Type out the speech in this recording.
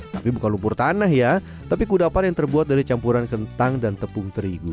tapi bukan lumpur tanah ya tapi kudapan yang terbuat dari campuran kentang dan tepung terigu